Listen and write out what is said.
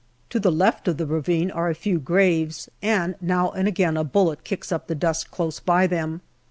To the left of the ravine are a few graves, and now and again a bullet kicks up the dust close by them.